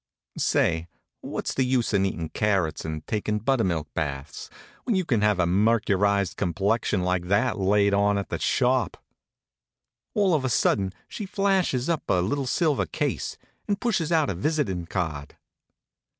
Say, what's the use eatin' carrots and takin' buttermilk baths, when you can have a mercerized complexion like that laid on at the shop? All of a sudden she flashes up a little silver case, and pushes out a visitin' card.